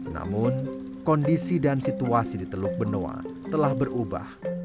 namun kondisi dan situasi di teluk benoa telah berubah